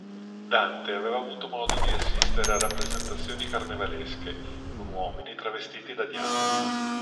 Dante aveva avuto modo di assistere a rappresentazioni carnevalesche con uomini travestiti da diavoli.